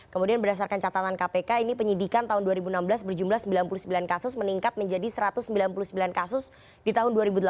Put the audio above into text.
kemudian berdasarkan catatan kpk ini penyidikan tahun dua ribu enam belas berjumlah sembilan puluh sembilan kasus meningkat menjadi satu ratus sembilan puluh sembilan kasus di tahun dua ribu delapan belas